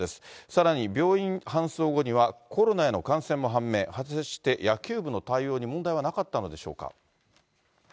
さらに病院搬送後には、コロナへの感染も判明、果たして野球部の対応に問題はなかったのでしょうか。